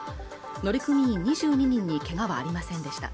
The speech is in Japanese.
乗組員２２人にけがはありませんでした